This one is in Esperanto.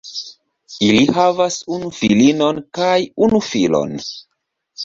Ili havas unu filinon kaj unu filon.